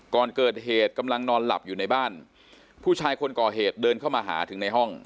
ก่อนเกิดเหตุกำลังนอนหลับอยู่ในบ้านผู้ชายคนก่อเหตุเดินเข้ามาหาถึงในห้อง